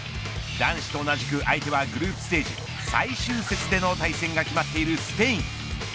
男子と同じく相手はグループステージ最終節での対戦が決まっているスペイン。